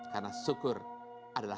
karena syukur adalah